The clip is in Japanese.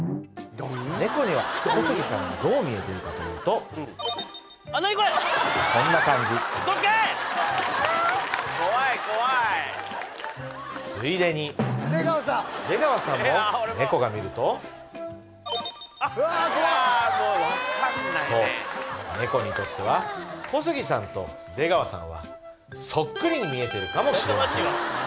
猫には小杉さんがどう見えてるかというとこんな感じ怖い怖いついでに出川さんも猫が見るとそう猫にとっては小杉さんと出川さんはそっくりに見えてるかもしれません